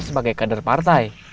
sebagai kader partai